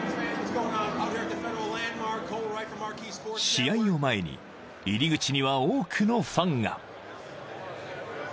［試合を前に入り口には多くのファンが］